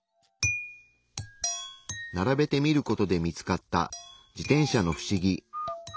ならべてみる事で見つかった自転車のフシギ。